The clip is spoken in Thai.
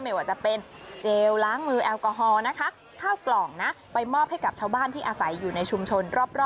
ไม่ว่าจะเป็นเจลล้างมือแอลกอฮอล์นะคะข้าวกล่องนะไปมอบให้กับชาวบ้านที่อาศัยอยู่ในชุมชนรอบ